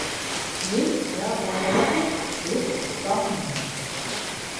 Lehnsherr war das Hochstift Bamberg.